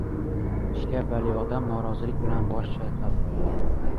— Shlyapali odam norozilik bilan bosh chayqadi.